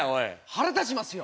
腹立ちますよ。